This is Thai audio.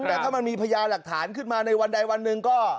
แต่ถ้ามันมีพยาหลักฐานขึ้นมาในวันใดวันหนึ่งก็